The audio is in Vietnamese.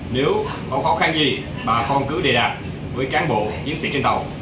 nếu có khó khăn gì bà con cứ đề đạp với cán bộ diễn sĩ trên tàu